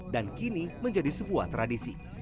dan kini menjadi sebuah tradisi